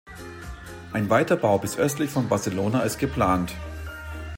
Ein Weiterbau bis östlich von Barcelona ist geplant.